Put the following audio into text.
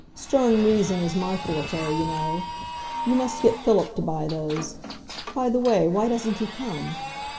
Stern reason is my forte, you know. You must get Philip to buy those. By the way, why doesn't he come?"